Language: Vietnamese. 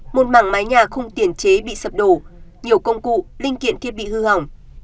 một mảng mái nhà không tiền chế bị sập đổ nhiều công cụ linh kiện thiết bị hư hỏng